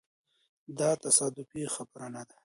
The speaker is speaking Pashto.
دا تصادفي خبره نه ده.